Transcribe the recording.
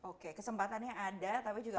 oke kesempatannya ada tapi juga harus berkecuali